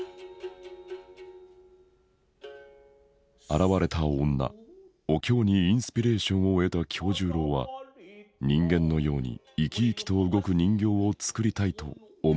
現れた女お京にインスピレーションを得た今日十郎は人間のように生き生きと動く人形を作りたいと思うようになる。